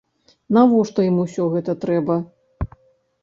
Навошта ім усё гэта трэба?